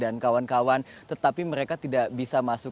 dan kawan kawan tetapi mereka tidak bisa masuk